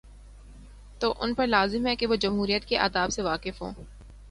تو ان پرلازم ہے کہ وہ جمہوریت کے آداب سے واقف ہوں۔